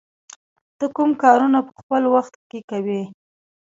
ته کوم کارونه په خپل وخت کې کوې؟